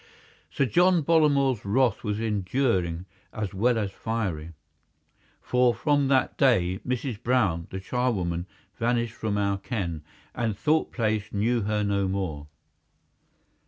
Sir John Bollamore's wrath was enduring as well as fiery, for from that day Mrs. Brown, the charwoman, vanished from our ken, and Thorpe Place knew her no more.